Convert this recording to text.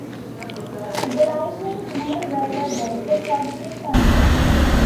The Lightning's main rival was the Quad City Thunder.